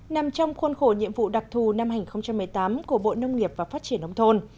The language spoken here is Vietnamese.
nằm trong khuôn khổ nhiệm vụ đặc thù năm hai nghìn một mươi tám của bộ nông nghiệp và phát triển nông thôn